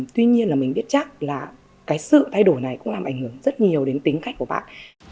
tuy nhiên là mình biết chắc là cái sự thay đổi này cũng làm ảnh hưởng rất nhiều đến tính khách của bạn